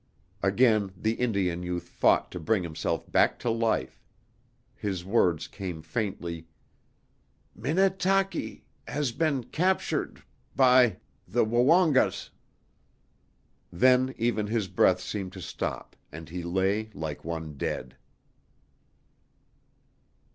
Again the Indian youth fought to bring himself back to life. His words came faintly, "Minnetaki has been captured by the Woongas!" Then even his breath seemed to stop, and he lay like one dead.